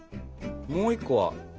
もう１個は？